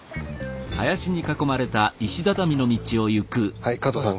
はい加藤さん